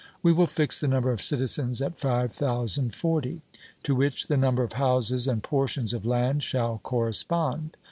We will fix the number of citizens at 5040, to which the number of houses and portions of land shall correspond.